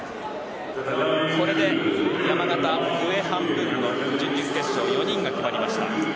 これで山形上半分の準々決勝４人決まりました。